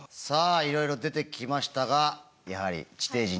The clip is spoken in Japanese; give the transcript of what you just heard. さあいろいろ出てきましたがやはり専門家！